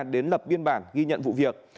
đến lập biên bản ghi nhận vụ việc